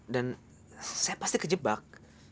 dan saya pasti kejebak